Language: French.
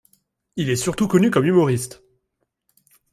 Il est surtout connu comme humoriste.